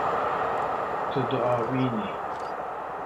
Tu diavînî.